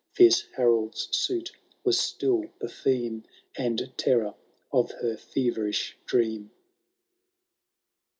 Fierce Harolds suit was still the theme And terror of her feverish dream.